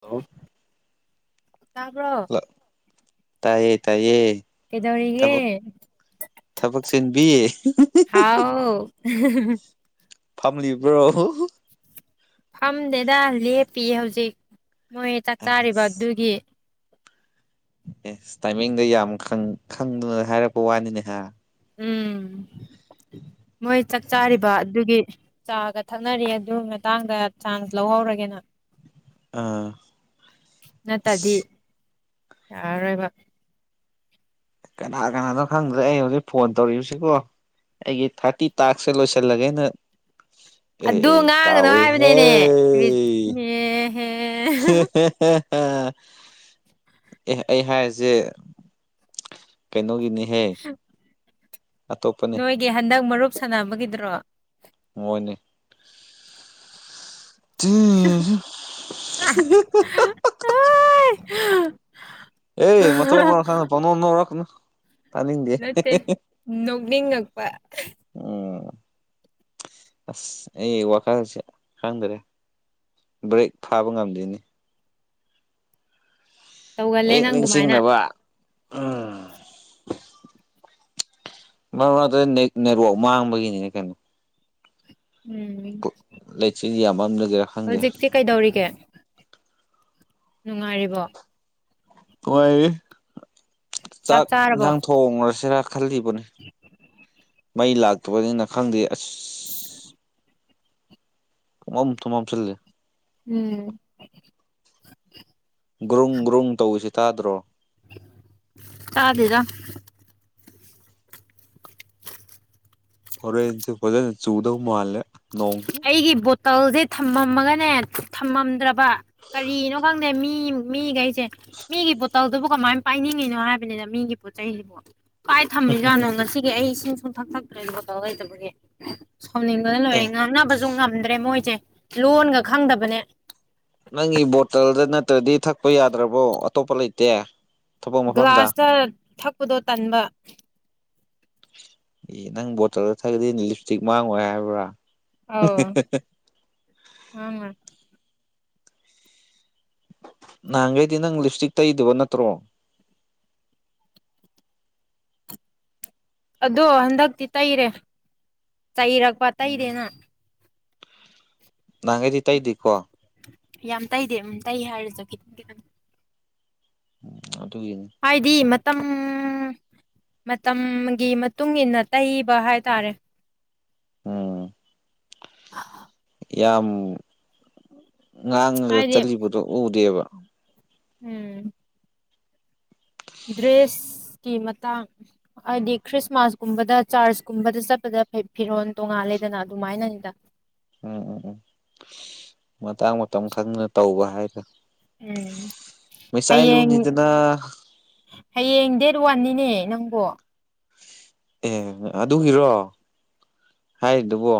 hello ꯇꯥꯕ꯭ꯔꯣ ꯍꯂ ꯇꯥꯏꯌꯦ ꯇꯥꯏꯌꯦ ꯀꯩꯗꯧꯔꯤꯒꯦ ꯊꯕꯛ ꯊꯕꯛ ꯆꯤꯟꯕꯤ [unintelligible] ꯐꯝꯂꯤꯕ꯭ꯔꯣ ꯐꯝꯗꯦꯗ ꯂꯦꯞꯄꯤꯌꯦ ꯍꯧꯖꯤꯛ ꯃꯣꯏ ꯆꯥꯛ ꯆꯥꯔꯤꯕ ꯑꯁ ꯑꯗꯨꯒꯤ ꯑꯦꯁ ꯇꯥꯏꯃꯤꯡꯗ ꯌꯥꯝ ꯈꯪ ꯈꯪꯗꯅ ꯍꯥꯏꯔꯛꯄ ꯋꯥꯅꯤꯅꯦ ꯍꯥꯏ ꯎꯝ [unintelligible] ꯃꯣꯏ ꯆꯥꯛ ꯆꯥꯔꯤꯕ ꯑꯗꯨꯒꯤ ꯆꯥꯒ ꯊꯛꯅꯔꯤ ꯑꯗꯨ ꯃꯇꯥꯡꯗ ꯆꯥꯟꯁ ꯂꯧꯍꯧꯔꯒꯦꯅ ꯑꯥ ꯅꯠꯇꯗꯤ ꯑꯁ ꯌꯥꯔꯔꯣꯏꯕ ꯀꯅꯥ ꯀꯅꯥꯅꯣ ꯈꯪꯗ꯭ꯔꯦ ꯑꯩꯅ ꯍꯧꯖꯤꯛ ꯐꯣꯟ ꯇꯧꯔꯤꯕꯁꯦꯀꯣ ꯑꯩꯒꯤ ꯊꯥꯔꯇꯤ ꯇꯥꯛꯁ ꯁꯦ ꯂꯣꯏꯁꯤꯜꯂꯒꯦꯅ ꯑꯦ ꯑꯗꯨ ꯑꯦ ꯀꯥꯎꯋꯤꯍꯦ ꯍꯦ ꯍꯦ ꯍꯦ ꯍꯦ ꯍꯦ ꯍꯦ ꯑꯦ ꯑꯩ ꯍꯥꯏꯔꯤꯖꯦ ꯀꯩꯅꯣꯒꯤꯅꯤꯍꯦ [unintelligible] ꯑꯇꯣꯞꯄꯅꯤ ꯒꯤ ꯍꯟꯗꯛ ꯃꯔꯨꯞ ꯁꯥꯟꯅꯕꯒꯤꯗ꯭ꯔꯣ ꯃꯣꯏꯅꯦ [unintelligible] ꯑꯦ ꯃꯊꯣꯡ ꯃꯔꯝ ꯈꯪꯗꯅ ꯄꯪꯅꯣꯛ ꯅꯣꯛꯔꯛꯀꯅꯨ ꯇꯥꯅꯤꯡꯗꯦ ꯅꯠꯇꯦ ꯅꯣꯛꯅꯤꯡꯉꯛꯄ ꯑꯣ ꯑꯁ ꯑꯩ ꯋꯥꯈꯜꯁꯦ ꯈꯪꯗꯔꯦ ꯕ꯭ꯔꯦꯛ ꯐꯥꯕ ꯉꯝꯗꯦꯅꯦ ꯇꯧꯒꯜꯂꯦ ꯍꯦꯛ ꯅꯪ ꯑꯗꯨꯃꯥꯏꯅ ꯅꯤꯡꯁꯤꯡꯅꯕ ꯎꯝ [unintelligible] ꯅꯦꯠ ꯅꯦꯠꯋꯥꯛ ꯃꯥꯡꯕꯒꯤꯅꯤꯅꯦ ꯀꯩꯅꯣ ꯎꯝ ꯄꯨꯛ ꯂꯩꯆꯤꯜꯗꯤ ꯌꯥꯝ ꯃꯝꯗꯒꯦꯔꯥ ꯍꯧꯖꯤꯛꯇꯤ ꯀꯩꯗꯧꯔꯤꯒꯦ ꯅꯨꯡꯉꯥꯏꯔꯤꯕꯣ ꯅꯨꯡꯉꯥꯏꯔꯤ ꯆꯥꯛ ꯏꯟꯖꯥꯡ ꯊꯣꯡꯉꯨꯔꯁꯤꯔ ꯈꯜꯂꯤꯕꯅꯤ ꯃꯩ ꯂꯥꯛꯇꯕꯅꯤꯅ ꯈꯪꯗꯦ ꯑꯁ [inaudible] ꯊꯨꯃꯝ ꯊꯨꯃꯝ ꯆꯜꯂꯦ ꯎꯝ ꯒ꯭ꯔꯨꯡ ꯒ꯭ꯔꯨꯡ ꯇꯧꯏꯁꯤ ꯇꯥꯗ꯭ꯔꯣ ꯇꯥꯗꯦꯗ ꯍꯣꯔꯦꯟꯁꯦ ꯐꯖꯅ ꯆꯨꯗꯧ ꯃꯥꯜꯂꯦ ꯅꯣꯡꯖꯨ ꯑꯩꯒꯤ ꯕꯣꯇꯜꯖꯦ ꯊꯝꯃꯝꯃꯒꯅꯦ ꯊꯝꯃꯝꯗ꯭ꯔꯕ ꯀꯔꯤꯅꯣ ꯈꯪꯗꯦ ꯃꯤ ꯃꯤꯒꯩꯖꯦ ꯃꯤꯒꯤ ꯕꯣꯇꯜꯗꯨꯕꯨ ꯀꯃꯥꯏꯟ ꯄꯥꯏꯅꯤꯡꯉꯤꯅꯣ ꯍꯥꯏꯕꯅꯤꯅ ꯃꯤꯒꯤ ꯄꯣꯠ ꯆꯩꯁꯤꯕꯨ ꯀꯥꯏ ꯊꯝꯃꯤꯖꯥꯠꯅꯣ ꯉꯁꯤꯒꯤ ꯑꯩ ꯏꯁꯤꯡ ꯁꯨꯛꯊꯛ ꯊꯛꯇ꯭ꯔꯦ ꯕꯣꯇꯜ ꯂꯩꯇꯕꯒꯤ ꯁꯥꯎꯅꯤꯡ ꯂꯣꯏꯔꯦ ꯂꯣꯏꯔꯦ ꯑꯦ ꯉꯥꯡꯅꯕꯖꯨ ꯉꯝꯗ꯭ꯔꯦ ꯃꯣꯏꯖꯦ ꯂꯣꯟꯒ ꯈꯪꯗꯕꯅꯦ ꯅꯪꯒꯤ ꯕꯣꯇꯜꯗ ꯅꯠꯇ꯭ꯔꯗꯤ ꯊꯛꯄ ꯌꯥꯗ꯭ꯔꯕꯣ ꯑꯇꯣꯞꯄ ꯂꯩꯇꯦ ꯊꯕꯛ ꯃꯐꯝꯗ ꯒ꯭ꯂꯥꯁꯇ ꯊꯛꯄꯗꯣ ꯇꯟꯕ ꯑꯦ ꯅꯪ ꯕꯣꯇꯜꯗ ꯊꯛꯒꯗꯤ ꯂꯤꯞꯁꯇꯤꯛ ꯃꯥꯡꯉꯣꯏ ꯍꯥꯏꯕ꯭ꯔꯥ ꯑꯣ ꯑ ꯅꯍꯥꯟꯒꯩꯗꯤ ꯅꯪ ꯂꯤꯞꯁꯇꯤꯛ ꯇꯩꯗꯕ ꯅꯠꯇ꯭ꯔꯣ ꯑꯗꯣ ꯍꯟꯗꯛꯇꯤ ꯇꯩꯔꯦ ꯆꯩꯩꯔꯛꯄ ꯎꯝ ꯇꯩꯔꯦꯅ ꯅꯍꯥꯟꯈꯩꯗꯤ ꯇꯩꯗꯤꯀꯣ ꯌꯥꯝ ꯇꯩꯗꯦ ꯑꯗꯨꯝ ꯇꯩ ꯍꯥꯏꯔꯁꯨ ꯈꯤꯇꯪ ꯈꯤꯇꯪ ꯎ ꯑꯗꯨ ꯌꯦꯡꯅꯤ ꯍꯥꯏꯗꯤ ꯃꯇꯝ ꯃꯇꯝꯒꯤ ꯃꯇꯨꯡ ꯏꯟꯅ ꯇꯩꯕ ꯍꯥꯏꯇꯥꯔꯦ ꯑꯣꯝ ꯌꯥꯝ ꯉꯥꯡꯉꯒ ꯍꯥꯏꯗꯤ ꯆꯠꯂꯤꯕꯗꯣ ꯎꯗꯦꯕ ꯎꯝ ꯗ꯭ꯔꯦꯁꯀꯤ ꯃꯇꯥꯡ ꯍꯥꯏꯗꯤ ꯈ꯭ꯔꯤꯁꯃꯥꯁ ꯀꯨꯝꯕꯗ ꯆꯥꯔꯆꯀꯨꯝꯕꯗ ꯆꯠꯄꯗ ꯐꯤꯔꯣꯜ ꯇꯣꯡꯉꯥꯜꯂꯦꯗꯅ ꯑꯗꯨꯃꯥꯏꯅꯅꯤꯗ ꯎꯝ ꯎꯝ ꯎꯝ ꯃꯇꯥꯡ ꯃꯇꯝ ꯈꯪꯅ ꯇꯧꯕ ꯍꯥꯏꯗ ꯎꯝ ꯄꯦꯁꯥꯏ ꯍꯌꯦꯡ ꯂꯨꯅꯤꯗꯅ ꯍꯌꯦꯡ ꯗꯦꯠ ꯋꯥꯟꯅꯤꯅꯦ ꯅꯪꯕꯨ ꯑꯦ ꯑꯗꯨꯒꯤꯔꯣ ꯍꯥꯏꯔꯤꯗꯨꯕꯣ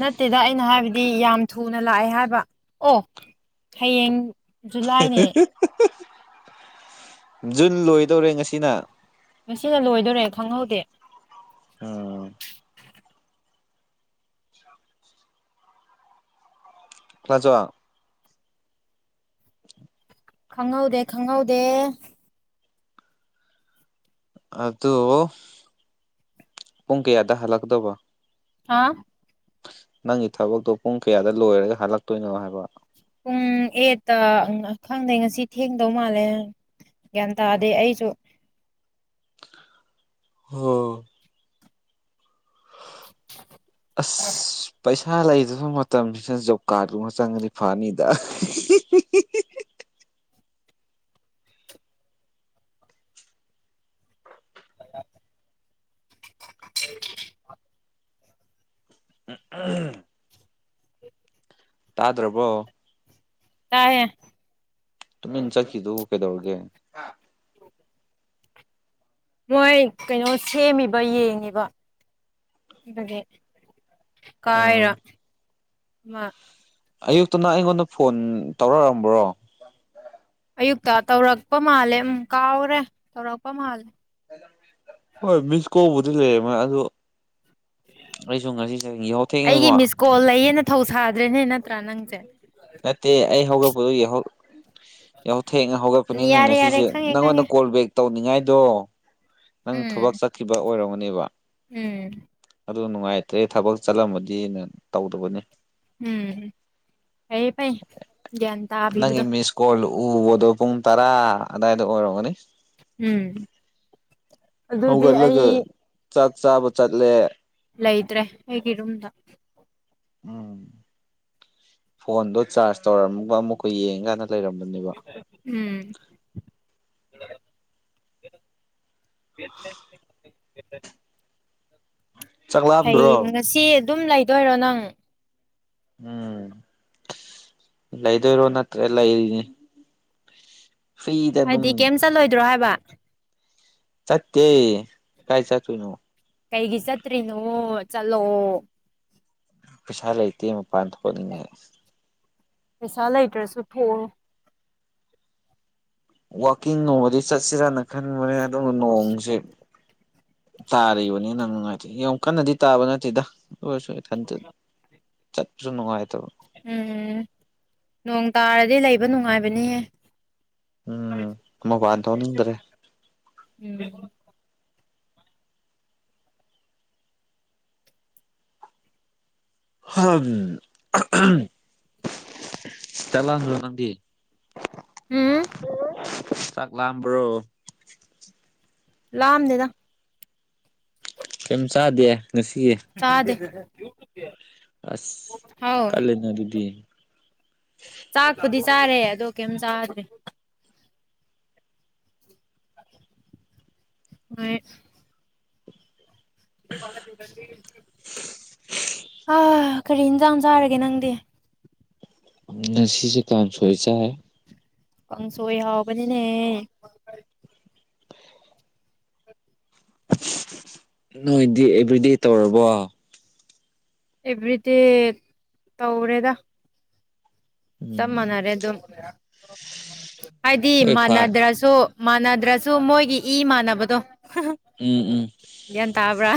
ꯅꯠꯇꯦꯗ ꯑꯩꯅ ꯍꯥꯏꯕꯗꯤ ꯌꯥꯝ ꯊꯨꯅ ꯂꯥꯛꯑꯦ ꯍꯥꯏꯕ ꯑꯣ ꯍꯌꯦꯡ ꯖꯨꯂꯥꯏꯅꯦ ꯖꯨꯟ ꯂꯣꯏꯗꯧꯔꯦ ꯉꯁꯤꯅ ꯉꯁꯤꯒ ꯂꯣꯏꯗꯣꯔꯦ ꯈꯪꯍꯧꯗꯦ ꯑꯥ ꯀ꯭ꯂꯖ ꯈꯪꯍꯧꯗꯦ ꯈꯪꯍꯧꯗꯦ ꯑꯗꯨ ꯄꯨꯡ ꯀꯌꯥꯗ ꯍꯜꯂꯛꯀꯗꯧꯕ ꯍꯥ ꯅꯪꯒꯤ ꯊꯕꯛꯇꯣ ꯄꯨꯡ ꯀꯌꯥꯗ ꯂꯣꯏꯔꯒ ꯍꯥꯜꯂꯛꯇꯣꯏꯅꯣ ꯍꯥꯏꯕ ꯄꯨꯡ ꯑꯦꯠꯇ ꯈꯪꯗꯩ ꯉꯁꯤ ꯊꯦꯡꯗꯧ ꯃꯥꯜꯂꯦ ꯒꯌꯥꯟ ꯇꯥꯗꯦ ꯑꯩꯁꯨ ꯍꯣ ꯑꯁ ꯄꯩꯁꯥ ꯂꯩꯗꯕ ꯃꯇꯝꯁꯤꯅ ꯖꯣꯕ ꯀꯥꯔꯠꯇꯣ ꯆꯪ ꯔꯤꯐꯥꯟꯅꯤꯗ ꯎ ꯇꯥꯗ꯭ꯔꯕꯣ ꯇꯥꯏꯌꯦ ꯇꯃꯤꯟ ꯆꯠꯈꯤꯗꯨꯕꯨ ꯀꯩꯗꯧꯔꯒꯦ ꯃꯣꯏ ꯀꯩꯅꯣ ꯁꯦꯝꯃꯤꯕ ꯌꯦꯡꯉꯤꯕ ꯑꯗꯨꯗꯤ ꯀꯥꯏꯔ ꯑꯥ ꯑꯃ ꯑꯌꯨꯛꯇꯅ ꯅꯪ ꯑꯩꯉꯣꯟꯗ ꯐꯣꯟ ꯇꯧꯔꯛꯑꯝꯕ꯭ꯔꯣ ꯑꯌꯨꯛꯇ ꯇꯧꯔꯛꯄ ꯃꯥꯜꯂꯦ ꯎꯝ ꯀꯥꯎꯈꯔꯦ ꯇꯧꯔꯛꯄ ꯃꯥꯜꯂꯦ ꯍꯣꯏ ꯃꯤꯁ ꯀꯧꯕꯨꯗꯤ ꯂꯩꯔ ꯃꯥ ꯑꯗꯨ ꯑꯩꯁꯨ ꯉꯁꯤ ꯆ ꯌꯥ ꯍꯧ ꯑꯩꯒꯤ ꯊꯦꯡꯉꯦꯕ ꯃꯤꯁ ꯀꯣꯜ ꯂꯩꯌꯦꯅ ꯊꯧ ꯁꯥꯗ꯭ꯔꯦꯅꯦ ꯅꯠꯇ꯭ꯔꯥ ꯅꯪꯁꯦ ꯅꯠꯇꯦ ꯑꯩ ꯍꯧꯒꯛꯄꯗꯨꯒꯤ ꯌꯥꯎꯍꯧ ꯊꯦꯡꯅ ꯍꯧꯒꯠꯄꯅꯤꯅ ꯌꯥꯔꯦ ꯌꯥꯔꯦ ꯉꯁꯤꯁꯦ ꯈꯪꯉꯦ ꯅꯪꯉꯣꯟꯗ ꯈꯪꯉꯦ ꯀꯣꯜ ꯕꯦꯛ ꯇꯧꯅꯤꯡꯉꯥꯏꯗꯣ ꯅꯪ ꯊꯕꯛ ꯎꯝ ꯆꯠꯈꯤꯕ ꯑꯣꯏꯔꯝꯒꯅꯦꯕ ꯎꯝ ꯑꯗꯨ ꯅꯨꯡꯉꯥꯏꯇ꯭ꯔꯦ ꯊꯕꯛ ꯆꯠꯂꯝꯃꯗꯤꯅ ꯇꯧꯗꯕꯅ‌ꯦ ꯎꯝ ꯐꯩꯌꯦ ꯐꯩ ꯒ꯭ꯌꯥꯟ ꯅꯪꯒꯤ ꯇꯥꯕꯤꯕꯗꯣ ꯃꯤꯁ ꯀꯣꯜ ꯎꯕꯗꯣ ꯄꯨꯡ ꯇꯔꯥ ꯑꯗꯥꯏꯗꯥ ꯑꯣꯏꯔꯛꯒꯅꯤ ꯎꯝ ꯑꯗꯨꯗꯤ ꯑꯩ ꯍꯧꯒꯠꯂꯒ ꯆꯥꯛ ꯆꯥꯕ ꯆꯠꯂꯦ ꯂꯩꯇ꯭ꯔꯦ ꯑꯩꯒꯤꯔꯨꯝꯗ ꯎꯝ ꯐꯣꯟꯗꯣ ꯆꯥꯔꯖ ꯇꯧꯔꯝꯒ ꯑꯃꯨꯛꯀ ꯌꯦꯡꯉꯥꯀꯥꯟꯗ ꯂꯩꯔꯝꯕꯅꯦꯕ ꯎꯝ ꯍꯩ ꯆꯥꯛꯂꯥꯝꯗ꯭ꯔꯣ ꯉꯁꯤ ꯑꯗꯨꯝ ꯂꯩꯗꯣꯏꯔꯣ ꯅꯪ ꯎꯝ ꯂꯩꯗꯣꯏꯔꯣ ꯅꯠꯇ꯭ꯔꯥ ꯂꯩꯔꯤꯅꯤ ꯐ꯭ꯔꯤꯗ ꯑꯗꯨꯝ ꯍꯥꯏꯗꯤ ꯀꯩꯝ ꯆꯠꯂꯣꯏꯗ꯭ꯔꯣ ꯍꯥꯏꯕ ꯆꯠꯇ‌ꯦ ꯀꯥꯏ ꯆꯠꯇꫭꯏꯅꯣ ꯀꯩꯒꯤ ꯆꯠꯇ꯭ꯔꯤꯅꯣ ꯆꯠꯂꯣ ꯄꯩꯁꯥ ꯂꯩꯇꯦ ꯃꯄꯥꯟ ꯊꯣꯛꯠꯅꯤꯡꯉꯦ ꯄꯩꯁꯥ ꯂꯩꯇ꯭ꯔꯥꯁꯨ ꯊꯣꯛꯑꫭ ꯋꯥꯛꯀꯤꯡ ꯅꯣꯡꯃꯗꯤ ꯆꯠꯁꯤꯔꯅꯥ ꯈꯟꯕꯅꯦ ꯑꯗꯨ ꯅꯣꯡꯁꯤ ꯇꯥꯔꯤꯕꯅꯤꯅꯥ ꯅꯨꯡꯉꯥꯏꯇꯦ ꯌꯥꯝ ꯀꯟꯅꯗꯤ ꯇꯥꯕ ꯅꯠꯇꯦꯗꯥ ꯑꯗꫭꯔꯁꯨ ꯏꯊꯟꯇꯥ ꯆꯠꯄꯁꯨ ꯅꯨꯡꯉꯥꯏꯇꯕ ꯎꯝ ꯅꯣꯡ ꯇꯥꯔꯗꯤ ꯂꯩꯕ ꯅꯨꯡꯉꯥꯏꯕꯅꯤꯍ‌ꯦ ꯎꯝ ꯃꯄꯥꯟ ꯊꯣꯛꯅꯤꯡꯗ꯭ꯔꯦ ꯎꯝ ꯆꯥꯛ ꯂꯥꯝꯗ꯭ꯔꫭ ꯅꯪꯗꯤ ꯎꯝ ꯆꯥꯛ ꯂꯥꯝꯕ꯭ꯔꯣ ꯂꯥꯝꯗ‌ꯦꯗꯥ ꯀꯩꯝ ꯆꯥꯗꯦ ꯉꯁꯤꯒꯤ ꯆꯥꯗꯦ ꯑꯁ ꯍꯥꯎ ꯀꯜꯂ‌ꯦꯅꯥ ꯑꯗꯨꯗꯤ ꯆꯥꯛꯄꯨꯗꯤ ꯆꯥꯔꯦ ꯑꯗꯣ ꯀꯩꯝ ꯆꯥꯗ꯭ꯔꯤ [unintelligible] ꯑꯥ ꯀꯔꯤ ꯏꯟꯖꯥꯡ ꯆꯥꯔꯒꯦ ꯅꯪꯗꯤ ꯉꯁꯤꯁꯦ ꯀꯥꯟꯁꯣꯏ ꯆꯥꯏ ꯀꯪꯁꯣꯏ ꯍꯥꯎꯕꯅꯤꯅꯦ ꯅꯣꯏꯗꯤ ꯑꯦꯕ꯭ꯔꯤꯗꯦ ꯇꯧꯔꯕꯣ ꯑꯦꯚ꯭ꯔꯤꯗꯦ ꯇꯧꯔꯦꯗꯥ ꯆꯞ ꯎꯝ ꯃꯅꯥꯔꯦ ꯑꯗꯨꯝ ꯍꯥꯏꯗꯤ ꯍꯣꯏ ꯐꯥꯏ ꯃꯥꯟꯅꯗ꯭ꯔꯁꯨ ꯃꯥꯟꯅꯗ꯭ꯔꯁꯨ ꯃꯣꯏꯒꯤ ꯏ ꯃꯥꯟꯅꯕꯗꯣ ꯎꯝ ꯎꯝ ꯒ‌꯭ꯌꯥꯟ ꯇꯥꯕ꯭ꯔꯥ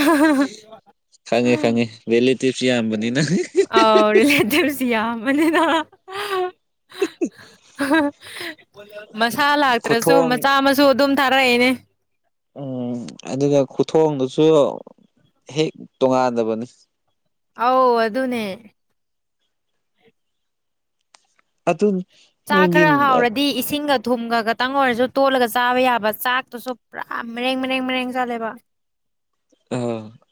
ꯈꯪꯉꯦ ꯈꯪꯉ‌ꯦ ꯔꯤꯔ‌ꯦꯇꯤꯕꯁ ꯌꯥꯝꯕꯅꯤꯅꯥ ꯑꯥꯎ ꯔꯤꯔ‌ꯦꯇꯤꯕꯁ ꯌꯥꯝꯕꯅꯤꯅꯥ ꯃꯁꯥ ꯂꯥꯛꯇ꯭ꯔꯁꯨ ꯈꯨꯊꯣꯡ ꯃꯆꯥ ꯃꯁꯨ ꯑꯗꯨꯝ ꯊꯥꯔꯛꯏꯅꯦ ꯎꯝ ꯑꯗꯨꯒ ꯈꯨꯊꯣꯡꯗꯨꯁꯨ ꯍꯦꯛ ꯇꯣꯉꯥꯟꯗꯕꯅꯤ ꯑꯥꯎ ꯑꯗꯨꯅꯦ ꯑꯗꯨꯅꯤ ꯆꯥꯛ ꯈꯔ ꯍꯥꯎꯔꯗꯤ ꯏꯁꯤꯡꯒ ꯊꯨꯝꯒ ꯈꯛꯇꯪ ꯑꯣꯏꯔꯁꯨ ꯇꯣꯠꯂꯒ ꯆꯥꯕ ꯌꯥꯕ ꯆꯥꯛꯇꯨꯁꯨ ꯄꯨꯔꯥ ꯃꯔꯦꯡ ꯃꯔꯔꯦꯡ ꯃꯔꯦꯡ ꯆꯠꯂꯦꯕ ꯑ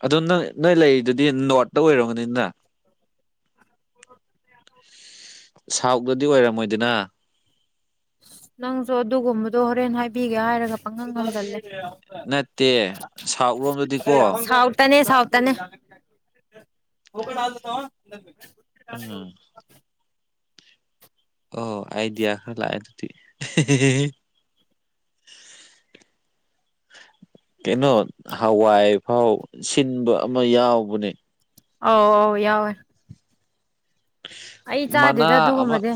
ꯑꯗꯣ ꯅꯪ ꯅꯣꯏ ꯂꯩꯔꯤꯗꯨꯗꯤ ꯅꯣꯔꯠꯇ ꯑꯣꯏꯔꯝꯒꯅꯤꯅ ꯁꯥꯎꯠꯇꯗꯗꯤ ꯑꯣꯏꯔꯝꯃꯣꯏꯗꯅ ꯅꯪꯖꯨ ꯑꯗꯨꯒꯨꯝꯕꯗꯣ ꯍꯣꯔꯦꯟ ꯍꯥꯏꯕꯤꯒꯦ ꯍꯥꯏꯔꯒ ꯄꯪꯍꯪꯗ ꯍꯪꯖꯜꯂꯦ ꯅꯠꯇꯦ ꯁꯥꯎꯠꯔꯣꯝꯗꯗꯤꯀꯣ ꯁꯥꯎꯠꯇꯅꯦ ꯁꯥꯎꯠꯇꯅꯦ ꯎꯝ ꯑꯣ ꯑꯥꯏꯗꯤꯌꯥ ꯈ꯭ꯔ ꯂꯥꯛꯑ‌ꯦ ꯑꯗꯨꯗꯤ [unintelligible] ꯀꯩꯅꯣ ꯍꯋꯥꯏꯐꯥꯎ ꯁꯤꯟꯕ ꯑꯃ ꯌꯥꯎꯕꯅꯦ ꯑꯧ ꯑꯧ ꯌꯥꯎꯋꯦ ꯑꯩ ꯆꯥꯗꯦꯗ ꯃꯅꯥ ꯑꯃ ꯑꯗꯨꯒꯨꯝꯕꯗꯤ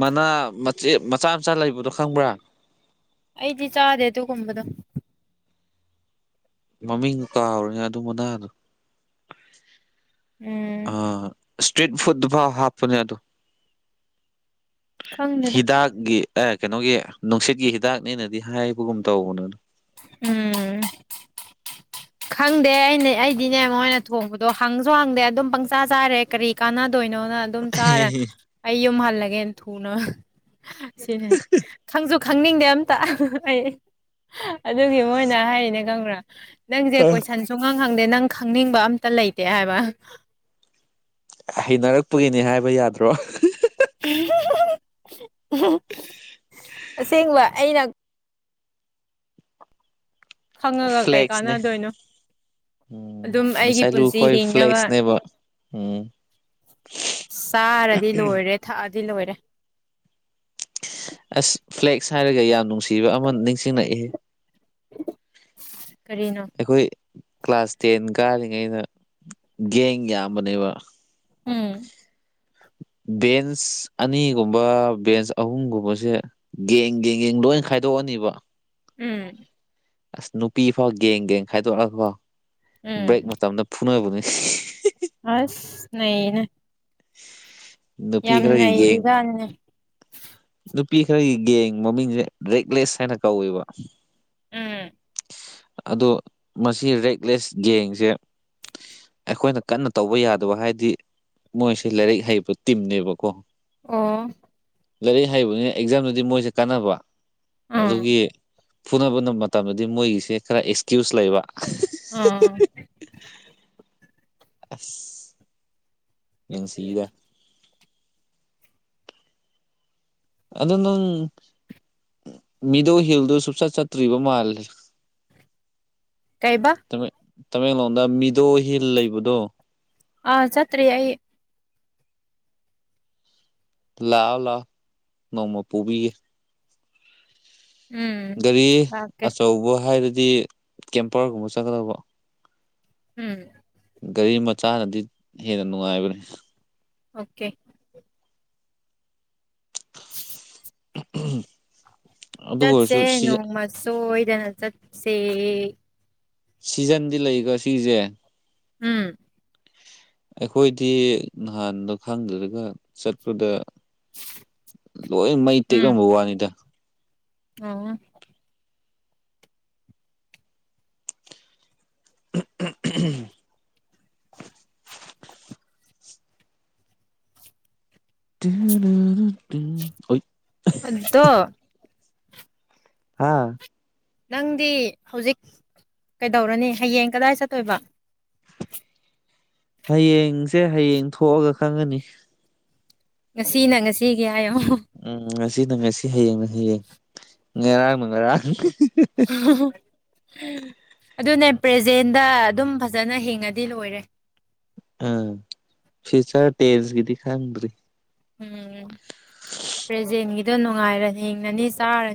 ꯃꯅꯥ ꯃꯆꯦ ꯃꯆꯥ ꯃꯆꯥ ꯂꯩꯕꯗꯣ ꯈꯪꯕ꯭ꯔꯥ ꯑꯩꯗꯤ ꯆꯥꯗꯦ ꯑꯗꯨꯒꯨꯝꯕꯗ‌ꯣ ꯃꯃꯤꯡ ꯀꯥꯎꯔ‌ꯦꯅꯦ ꯑꯗꯨ ꯃꯅꯥꯗꯣ ꯎꯝ ꯑꯥ ꯏꯁꯇ꯭ꯔꯤꯠ ꯐꯨꯗ ꯐꯥꯎ ꯍꯥꯞꯄꯅꯦ ꯑꯗꯣ ꯈꯪꯗꯦꯗ ꯍꯤꯗꯥꯛꯀꯤ ꯑꯥ ꯀꯩꯅꯣꯒꯤ ꯅꯨꯡꯁꯤꯠꯀꯤ ꯍꯤꯗꯥꯛꯅꯦꯅꯗꯤ ꯍꯥꯏꯕꯒꯨꯝ ꯇꯧꯕꯅ‌ꯣ ꯎꯝ ꯈꯪꯗꯦ ꯑꯩꯅ ꯑꯩꯗꯤꯅꯦ ꯃꯣꯏꯅ ꯊꯣꯡꯕꯗꯣ ꯍꯪꯖꯨ ꯍꯪꯗꯦ ꯑꯗꯨꯝ ꯄꯪꯆꯥ ꯆꯥꯔꯦ ꯀꯔꯤ ꯀꯥꯟꯅꯗꯣꯏꯅꯣꯅ ꯑꯗꯨꯝ ꯆꯥꯔ‌ꯦ ꯑꯩ ꯌꯨꯝ ꯍꯜꯂꯒꯦꯅ ꯊꯨꯅ ꯁꯤꯅꯦ ꯈꯪꯖꯨ ꯈꯪꯅꯤꯡꯗꯦ ꯑꯝꯇ ꯑꯩ ꯑꯗꯨꯒꯤ ꯃꯣꯏꯅ ꯍꯥꯏꯔꯤꯅꯦ ꯈꯪꯕ꯭ꯔꯥ ꯅꯪ ꯀꯣꯏꯁꯟ ꯁꯨꯡꯍꯪ ꯍꯪꯗꯦ ꯅꯪ ꯈꯪꯅꯤꯡꯕ ꯑꯝꯇ ꯂꯩꯇꯦ ꯍꯥꯏꯕ ꯍꯩꯅꯔꯛꯄꯒꯤꯅꯤ ꯍꯥꯏꯕ ꯌꯥꯗ꯭ꯔꯣ ꯑꯁꯦꯡꯕ ꯑꯩꯅ ꯈꯪꯉꯒ ꯀꯩ ꯐ꯭ꯂꯦꯛꯁꯅꯦ ꯀꯥꯟꯅꯗꯣꯏꯅꯣ ꯎꯝ ꯑꯗꯨꯝ ꯑꯩꯒꯤ ꯃꯤꯁꯥꯏꯂꯨ ꯄꯨꯟꯁꯤ ꯈꯣꯏ ꯍꯤꯡꯅꯕ ꯐ꯭ꯂꯦꯛꯁꯅꯦꯕ ꯎꯝ ꯆꯥꯔꯗꯤ ꯂꯣꯏꯔꯦ ꯊꯛꯑꯗꯤ ꯂꯣꯏꯔꯦ ꯑꯁ ꯐ꯭ꯂꯦꯛꯁ ꯍꯥꯏꯔꯒ ꯌꯥꯝ ꯅꯨꯡꯁꯤꯕ ꯑꯃ ꯅꯤꯡꯁꯤꯡꯂꯛꯏꯍ‌ꯦ ꯀꯔꯤꯅꯣ ꯑꯩꯈꯣꯏ ꯀ꯭ꯂꯥꯁ ꯇꯦꯟ ꯀꯥꯔꯤꯉꯩꯗ ꯒꯦꯡ ꯌꯥꯝꯕꯅꯦꯕ ꯎꯝ ꯕꯦꯟꯁ ꯑꯅꯤꯒꯨꯝꯕ ꯕꯦꯟꯁ ꯑꯍꯨꯝꯒꯨꯝꯕꯁꯦ ꯒ‌ꯦꯡ ꯒ‌ꯦꯡ ꯒ‌ꯦꯡ ꯂꯣꯏ ꯈꯥꯏꯗꯣꯛꯑꯅꯤꯕ ꯎꯝ ꯑꯁ ꯅꯨꯄꯤ ꯐꯥꯎ ꯒꯦꯡ ꯒꯦꯡ ꯈꯥꯏꯗꯣꯛꯑꯒ‌ꯣ ꯎꯝ ꯕ꯭ꯔꯦꯛ ꯃꯇꯝꯗ ꯐꯨꯅꯕꯅꯤ ꯑꯁ ꯅꯩꯅꯦ ꯅꯨꯄꯤ ꯌꯥꯝ ꯈꯔꯒꯤ ꯒꯦꯡ ꯅꯩꯔꯤꯖꯅꯤꯅ‌ꯦ ꯅꯨꯄꯤ ꯈꯔꯒꯤ ꯒꯦꯡ ꯃꯃꯤꯡꯁꯦ ꯔꯦꯛꯂꯦꯁ ꯍꯥꯏꯅ ꯀꯧꯋꯦꯕ ꯎꯝ ꯑꯗ‌ꯣ ꯃꯁꯤ ꯔꯦꯛꯂꯦꯁ ꯒꯦꯡꯁꯦ ꯑꯩꯈꯣꯏꯅ ꯀꯟꯅ ꯇꯧꯕ ꯌꯥꯗꯕ ꯍꯥꯏꯗꯤ ꯃꯣꯏꯁ‌ꯦ ꯂꯥꯏꯔꯤꯛ ꯍꯩꯕ ꯇꯤꯝꯅꯦꯕꯀꯣ ꯑꯣ ꯂꯥꯏꯔꯤꯛ ꯍꯩꯕꯅꯤ ꯑꯦꯛꯖꯥꯝꯗꯗꯤ ꯃꯣꯏꯖ‌ꯦ ꯀꯥꯟꯅꯕ ꯑꯗꯨꯒꯤ ꯎꯝ ꯐꯨꯅꯕ ꯃꯇꯝꯗꯗꯤ ꯃꯣꯏꯒꯤꯁꯦ ꯈꯔ ꯑꯦꯛꯁꯀ꯭ꯌꯨꯁ ꯂꯩꯕ ꯑꯥ ꯑꯁ ꯅꯨꯡꯁꯤꯗ ꯑꯗꯨ ꯅꯪ ꯃꯤꯗꯣ ꯍꯤꯜꯗꯨ ꯁꯨꯡꯆꯠ ꯆꯠꯇ꯭ꯔꯤꯕ ꯃꯥꯜꯂꯦ ꯀꯩꯕ ꯇꯃ‌ꯦꯡ-ꯇꯃꯦꯡꯂꯣꯡꯗ ꯃꯤꯗꯣ ꯍꯤꯜ ꯂꯩꯕꯗꯣ ꯑꯥ ꯆꯠꯇ꯭ꯔꯤ ꯑꯩ ꯂꯥꯛꯑꯣ ꯂꯥꯛꯑꯣ ꯅꯣꯡꯃ ꯄꯨꯕꯤꯒꯦ ꯎꯝ ꯒꯥꯔꯤ ꯂꯥꯛꯀꯦ ꯑꯆꯧꯕ ꯍꯥꯏꯔꯗꯤ ꯀꯦꯝꯄꯔꯒꯨꯝꯕ ꯆꯠꯀꯗꯧꯕ ꯎꯝ ꯒꯥꯔꯤ ꯃꯆꯥꯅꯗꯤ ꯍꯦꯟꯅ ꯅꯨꯡꯉꯥꯏꯕꯅꯦ ꯑꯣꯀꯦ [unintelligible] ꯑꯗꯨ ꯑꯣꯏꯔꯁꯨ ꯆꯠꯁꯦ ꯁꯤꯖ ꯅꯣꯡꯃ ꯁꯣꯏꯗꯅ ꯆꯠꯁꯦ ꯁꯤꯖꯟꯗꯤ ꯂꯩꯀꯣ ꯁꯤꯖꯦ ꯎꯝ ꯑꯩꯈꯣꯏꯗꯤ ꯅꯍꯥꯟꯗ ꯈꯪꯗ꯭ꯔꯒ ꯆꯠꯄꯗ ꯂꯣꯏ ꯃꯩ ꯎꯝ ꯇꯦꯛꯂꯝꯕ ꯋꯥꯅꯤꯗ ꯑꯣ [unintelligible] [unintelligible] ꯑꯗꯣ ꯍꯥꯥ ꯅꯪꯗꯤ ꯍꯧꯖꯤꯛ ꯀꯩꯗꯧꯔꯅꯤ ꯍꯌꯦꯡ ꯀꯗꯥꯏ ꯆꯠꯇꯣꯏꯕ ꯍꯌꯦꯡꯁꯦ ꯍꯌꯦꯡ ꯊꯣꯛꯑꯒ ꯈꯪꯉꯥꯅꯤ ꯉꯁꯤꯅ ꯉꯁꯤꯒꯤ ꯍꯥꯏꯌꯣ ꯎꯝ ꯉꯁꯤꯅ ꯉꯁꯤ ꯍꯌꯦꯡꯅ ꯍꯌꯦꯡ ꯉꯔꯥꯡꯅ ꯉꯔꯥꯡ [unintelligible] ꯑꯗꯨꯅꯦ ꯄ꯭ꯔꯖꯦꯟꯗ ꯑꯗꯨꯝ ꯐꯥꯖꯅ ꯍꯤꯡꯉꯥꯗꯤ ꯂꯣꯏꯔꯦ ꯑꯥ ꯐꯨꯏꯆꯔ ꯇꯦꯟꯁꯀꯤꯗꯤ ꯈꯪꯗ꯭ꯔꯤ ꯎꯝ ꯄ꯭ꯔꯖꯦꯟꯒꯤꯗꯣ ꯅꯨꯡꯉꯥꯏꯔ ꯌꯦꯡꯅꯅꯤ ꯆꯥꯔꯅꯤ